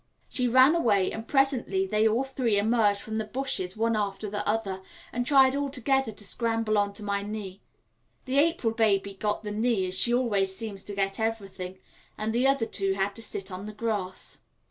She ran away, and presently they all three emerged from the bushes one after the other, and tried all together to scramble on to my knee. The April baby got the knee as she always seems to get everything, and the other two had to sit on the grass.